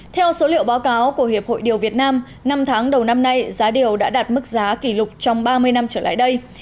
theo số liệu báo cáo của hiệp hội điều việt nam năm tháng đầu năm nay giá điều đã đạt mức giá kỷ lục trong ba mươi năm trở lại đây